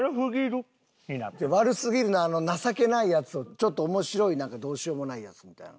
「悪すぎる」のあの情けないやつをちょっと面白いどうしようもないヤツみたいな。